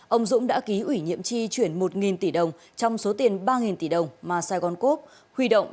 ông dũng đã ký ủy nhiệm tri chuyển một tỷ đồng trong số tiền ba tỷ đồng mà sài gòn cốp huy động